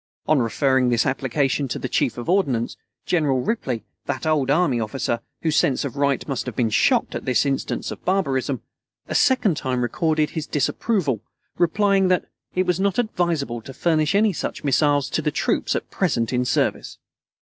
On referring this application to the Chief of Ordnance, General Ripley, that old army officer, whose sense of right must have been shocked at this instance of barbarism, a second time recorded his disapproval, replying that "it was not advisable to furnish any such missiles to the troops at present in service."